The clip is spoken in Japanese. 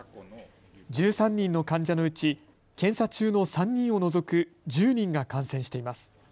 １３人の患者のうち検査中の３人を除く１０人が感染しています。